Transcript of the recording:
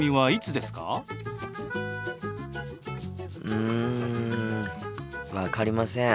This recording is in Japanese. うん分かりません。